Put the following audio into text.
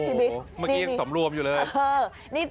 เมื่อกี้ยังสำรวมอยู่เลย